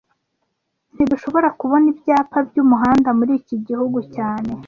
Ntidushobora kubona ibyapa byumuhanda muri iki gihu cyane